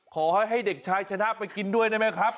ขอให้ให้เด็กชายชนะไปกินด้วยได้ไหมครับ